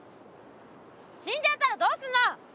死んじゃったらどうすんの！